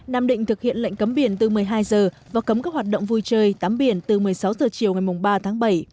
nam định thực hiện lệnh cấm biển từ một mươi hai giờ và cấm các hoạt động vui chơi tắm biển từ một mươi sáu h chiều ngày ba tháng bảy